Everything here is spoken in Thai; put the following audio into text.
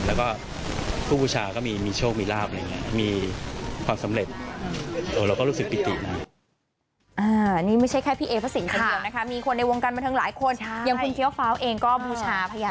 แล้วก็ผู้บูชาก็มีโชคมีราบมีความสำเร็จ